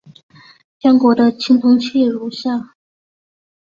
江国的青铜器如下。